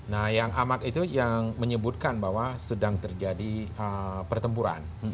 nah yang amak itu yang menyebutkan bahwa sedang terjadi pertempuran